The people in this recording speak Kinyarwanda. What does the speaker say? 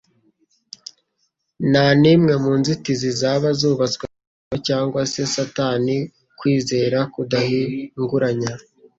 Nta n'imwe mu nzitizi zaba zubatswe n'umuntu cyangwa se Satani, kwizera kudahinguranya.